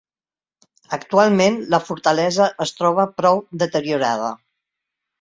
Actualment, la fortalesa es troba prou deteriorada.